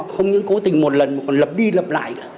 không những cố tình một lần mà còn lập đi lập lại cả